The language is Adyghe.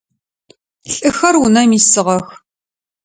Лӏыхэр унэм исыгъэх.